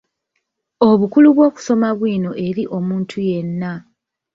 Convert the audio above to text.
Obukulu bw’okusoma bwino eri omuntu yenna.